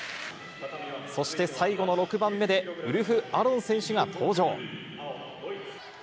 そして最後の６番目で、ウルフ・アロン選手が登場。